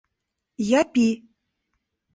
Япи.